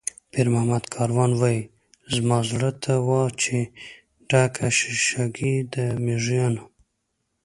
پیرمحمد کاروان وایي: "زما زړه ته وا چې ډکه شیشه ګۍ ده د مېږیانو".